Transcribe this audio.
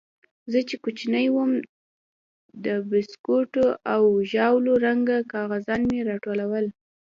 زه چې کوچنى وم د بيسکوټو او ژاولو رنګه کاغذان مې راټولول.